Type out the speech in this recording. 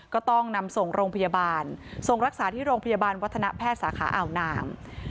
ก็ต้องนำส่งโรงพยาบาลส่งรักษาที่โรงพยาบาลวัฒนแพทย์สาขาอ่าวนาง